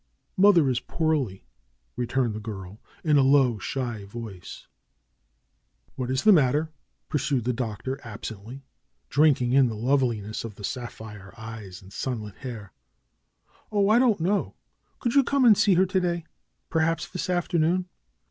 "Mother is poorly," returned the girl, in a low, shy voice. "What is the matter?" pursued the Doctor absently, drinking in the loveliness of the sapphire eyes and sun lit hair. "Oh!' I don't know. Could you come and see her to day ? Perhaps this afternoon